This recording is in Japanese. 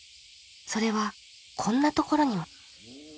それはこんなところにも。